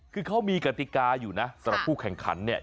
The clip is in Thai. คือเขามีกติกาอยู่นะสำหรับผู้แข่งขันเนี่ย